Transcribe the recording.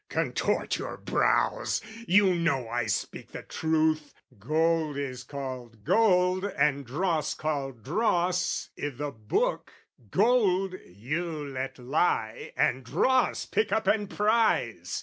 Contort your brows! You know I speak the truth: Gold is called gold, and dross called dross, i' the Book: Gold you let lie and dross pick up and prize!